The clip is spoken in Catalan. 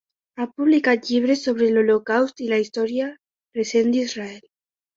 Ha publicat llibres sobre l'holocaust i la història recent d'Israel.